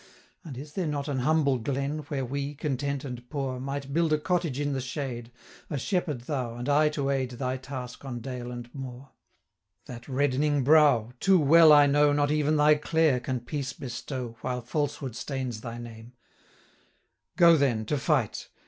295 And is there not an humble glen, Where we, content and poor, Might build a cottage in the shade, A shepherd thou, and I to aid Thy task on dale and moor? 300 That reddening brow! too well I know, Not even thy Clare can peace bestow, While falsehood stains thy name: Go then to fight!